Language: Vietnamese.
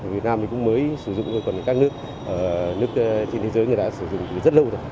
việt nam thì cũng mới sử dụng rồi còn các nước trên thế giới người đã sử dụng từ rất lâu rồi